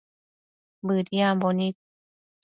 Bëdiambo nid